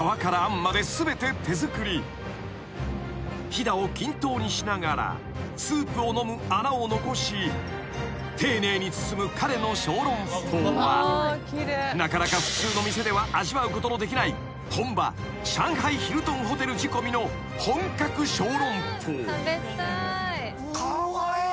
［ひだを均等にしながらスープを飲む穴を残し丁寧に包む彼の小籠包はなかなか普通の店では味わうことのできない本場上海ヒルトンホテル仕込みの本格小籠包］